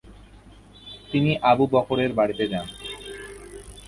তিনি আবু বকরের বাড়িতে যান।